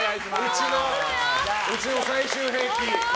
うちの最終兵器。